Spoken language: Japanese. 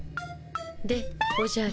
でおじゃる。